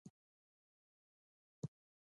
ملګری له تا سره پرته له دلیل مینه لري